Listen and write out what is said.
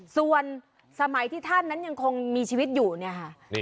ส่วนสมัยที่ท่านนั้นยังคงมีชีวิตอยู่เนี่ยค่ะ